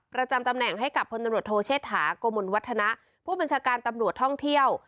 ประจำตำแหน่งให้กับพลตำรวจโทเชษฐากมลวัฒนะผู้บัญชาการตำรวจท่องเที่ยว